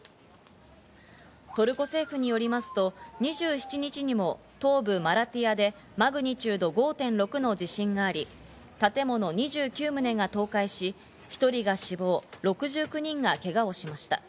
トルコ政府によりますと２７日にも東部マラティヤでマグニチュード５．６の地震があり、建物２９棟が倒壊し、１人が死亡、６９人がけがをしました。